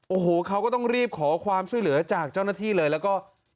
โอ้โหเขาก็ต้องรีบขอความช่วยเหลือจากเจ้าหน้าที่เลยแล้วก็